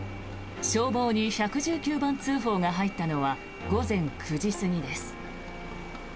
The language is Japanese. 消防に１１９番通報が入ったのは午前９時過ぎです。